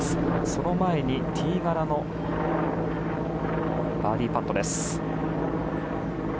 その前にティーガラのバーディーパットです。